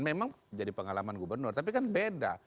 memang jadi pengalaman gubernur tapi kan beda